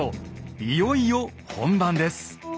いよいよ本番です。